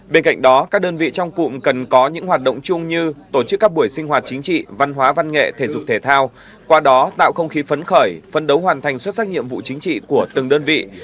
bên cạnh đó các đơn vị trong cụm cần có những hoạt động chung như tổ chức các buổi sinh hoạt chính trị văn hóa văn nghệ thể dục thể thao qua đó tạo không khí phấn khởi phân đấu hoàn thành xuất sắc nhiệm vụ chính trị của từng đơn vị